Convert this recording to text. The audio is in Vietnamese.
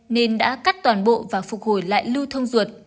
nên đã cắt toàn bộ và phục hồi lại lưu thông ruột